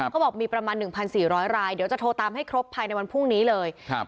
เขาบอกมีประมาณหนึ่งพันสี่ร้อยลายเดี๋ยวจะโทรตามให้ครบภายในวันพรุ่งนี้เลยครับ